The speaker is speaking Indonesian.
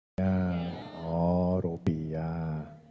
oh rupiahnya oh rupiah